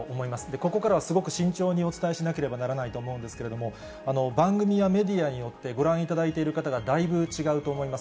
ここからはすごく慎重にお伝えしなければならないと思うんですけれども、番組やメディアによって、ご覧いただいている方がだいぶ違うと思います。